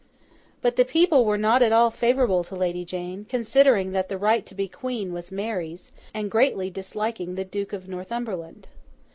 But the people were not at all favourable to Lady Jane, considering that the right to be Queen was Mary's, and greatly disliking the Duke of Northumberland.